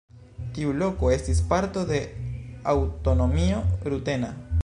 Tiu loko estis parto de aŭtonomio rutena.